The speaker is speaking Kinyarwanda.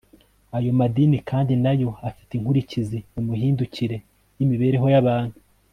ayo madini kandi nayo afite inkurikizi mu mihindukire y'imibereho y'abantu